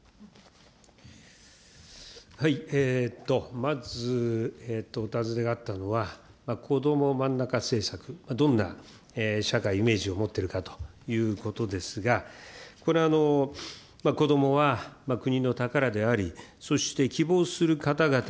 まずお尋ねがあったのは、こどもまんなか政策、どんな社会イメージを持っているかということですが、これ、子どもは国の宝であり、そして希望する方々